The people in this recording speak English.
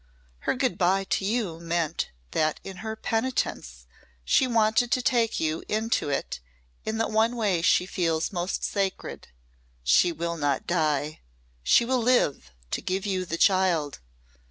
Her goodbye to you meant that in her penitence she wanted to take you into it in the one way she feels most sacred. She will not die. She will live to give you the child.